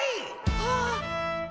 あっ！